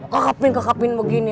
kekepin kekepin begini